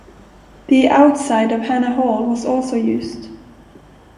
The outside of Hannah Hall was also used.